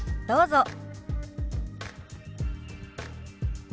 どうぞ。